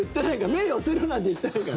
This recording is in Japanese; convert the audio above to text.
目、寄せるなんて言ってないから。